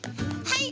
はい！